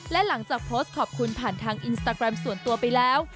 และหลังจากโพสต์ขอบคุณผ่านทางอินสตาแกรมส่วนตัวไปแล้ว